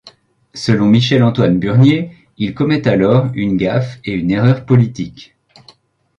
Selon Michel-Antoine Burnier, il commet alors une gaffe et une erreur politique.